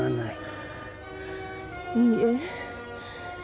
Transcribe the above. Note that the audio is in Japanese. いいえ。